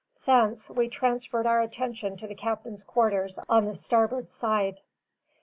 Thence, we transferred our attention to the captain's quarters on the starboard side.